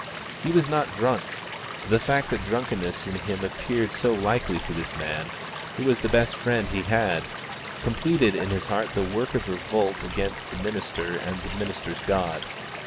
He was not drunk; the fact that drunkenness in him appeared so likely to this man, who was the best friend he had, completed in his heart the work of revolt against the minister and the minister's God.